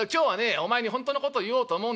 お前にほんとのことを言おうと思うんだ。